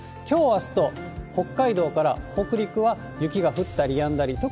きょう、あすと、北海道から北陸は雪が降ったりやんだり。